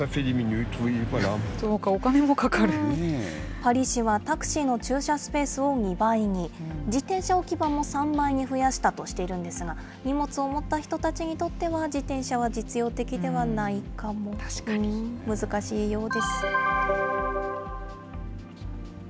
パリ市はタクシーの駐車スペースを２倍に、自転車置き場も３倍に増やしたとしているんですが、荷物を持った人たちにとっては、自転車は実用的ではないかも。難しいようです。